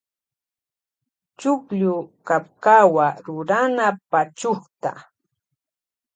Chukllu kapkawa rurana pachukta.